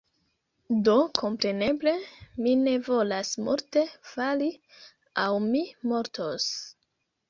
do, kompreneble, mi ne volas multe fali, aŭ mi mortos.